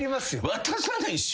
渡さないっしょ。